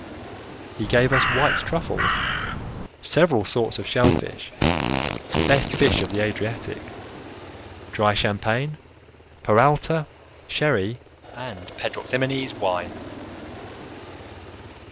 He gave us white truffles, several sorts of shell fish, the best fish of the Adriatic, dry champagne, peralta, sherry and pedroximenes wines.